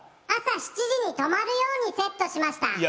朝７時に止まるようセットしました